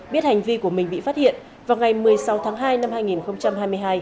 biết hành vi của mình bị phát hiện vào ngày một mươi sáu tháng hai năm hai nghìn hai mươi hai